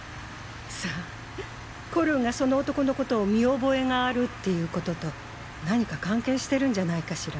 さあコルンがその男の事を見覚えがあるっていう事と何か関係してるんじゃないかしら？